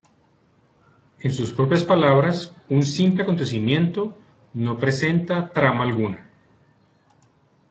En sus propias palabras: ""Un simple acontecimiento" no presenta trama alguna.